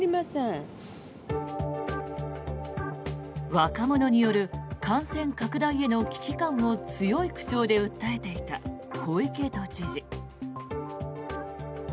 若者による感染拡大への危機感を強い口調で訴えていた小池都知事。